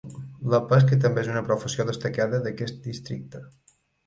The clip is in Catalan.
La pesca també és una professió destacada d'aquest districte.